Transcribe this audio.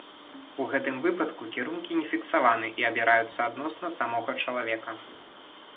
У гэтым выпадку кірункі не фіксаваны і абіраюцца адносна самога чалавека.